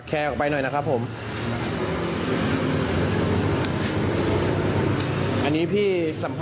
เจ็บที่หัวเข้าใช่ไหม